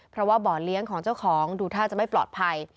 เพราะว่าบ่อเลี้ยงของเจ้าของดูท่าจะไม่ปลอดภัย